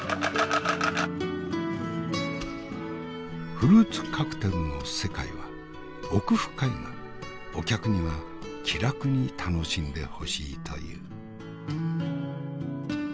フルーツカクテルの世界は奥深いがお客には気楽に楽しんでほしいという。